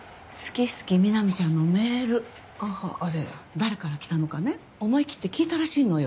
誰から来たのかね思い切って聞いたらしいのよ。